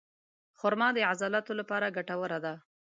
خرما د عضلاتو لپاره ګټوره ده.